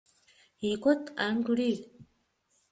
He got angry.